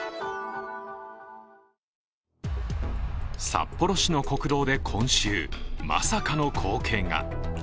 札幌市の国道で今週、まさかの光景が。